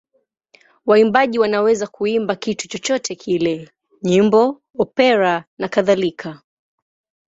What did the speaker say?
Waimbaji wanaweza kuimba kitu chochote kile: nyimbo, opera nakadhalika.